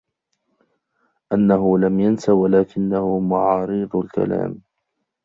أَنَّهُ لَمْ يَنْسَ وَلَكِنَّهُ مَعَارِيضُ الْكَلَامِ